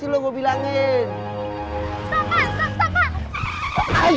tidak ada yang nangis